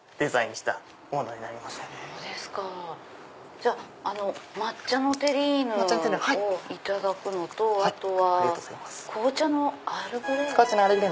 じゃあ抹茶のテリーヌをいただくのとあとは紅茶のアールグレイ。